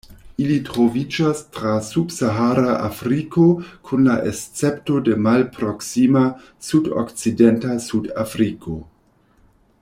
Ili troviĝas tra subsahara Afriko, kun la escepto de malproksima sudokcidenta Sudafriko.